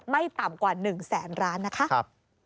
ไม่ต่ำกว่า๑แสนร้านนะคะ